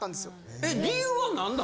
えっ理由は何なの？